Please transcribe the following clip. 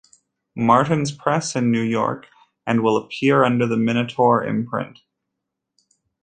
Martin's Press in New York and will appear under the Minotaur imprint.